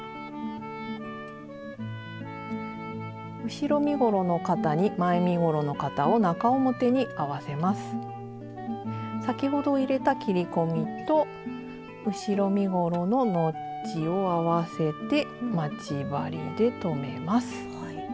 後ろ身ごろの肩に前身ごろの肩を先ほど入れた切り込みと後ろ身ごろのノッチを合わせて待ち針で留めます。